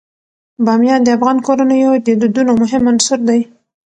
بامیان د افغان کورنیو د دودونو مهم عنصر دی.